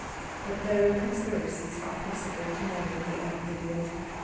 But no conspiracies are possible to memory and oblivion.